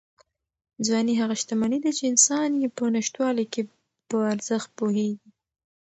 ځواني هغه شتمني ده چې انسان یې په نشتوالي کې په ارزښت پوهېږي.